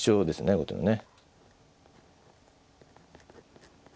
後手のね。